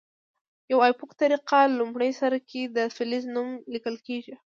په آیوپک طریقه لومړي سر کې د فلز نوم لیکل کیږي.